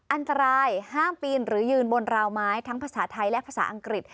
อันตรายห้ามปีนหรือยืนบนราวไม้ทั้งภาษาไทยและภาษาอังกฤษ